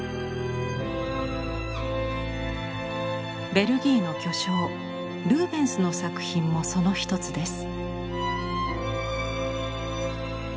ベルギーの巨匠ルーベンスの作品もその一つです。